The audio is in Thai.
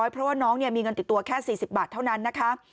เพราะว่าน้องมีเงินติดตัวแค่๔๐บาทเท่านั้นนะคะ